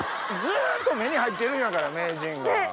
ずっと目に入ってるんやから名人が。